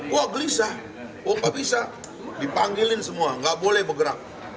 wah gelisah wah gak bisa dipanggilin semua nggak boleh bergerak